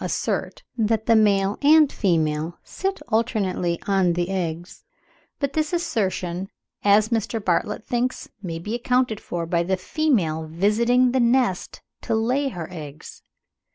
150) assert that the male and female sit alternately on the eggs; but this assertion, as Mr. Bartlett thinks, may be accounted for by the female visiting the nest to lay her eggs.)